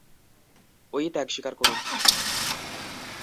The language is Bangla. ও-ই ত্যাগ স্বীকার করুক।